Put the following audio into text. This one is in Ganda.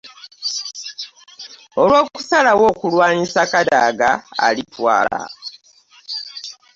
Olw'okusalawo okulwanyisa Kadaga Alitwala.